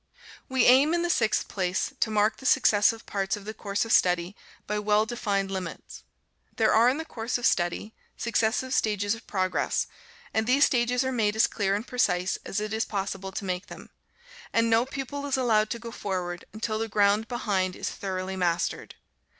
6. We aim, in the sixth place, to mark the successive parts of the course of study by well defined limits. There are in the course of study successive stages of progress, and these stages are made as clear and precise as it is possible to make them; and no pupil is allowed to go forward until the ground behind is thoroughly mastered.